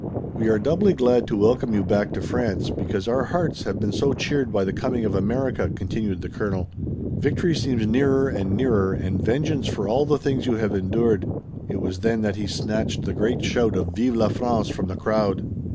"We are doubly glad to welcome you back to France because our hearts have been so cheered by the coming of America," continued the colonel. "Victory seems nearer and nearer and vengeance for all the things you have endured." It was then that he snatched the great shout of "Vive la France" from the crowd.